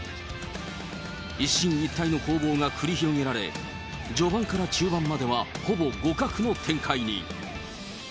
一進一退の攻防が繰り広げられ、序盤から中盤まではほぼ互角の展開に。